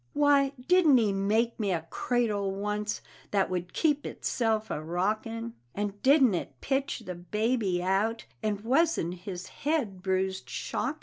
Why, didn't he make me a cradle once that would keep itself a rockin', And didn't it pitch the baby out, and wasn't his head bruised shockin'?